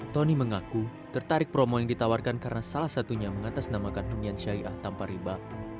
tony mengaku tertarik promo yang ditawarkan karena salah satunya mengatasnamakan hunian syariah tanpa riba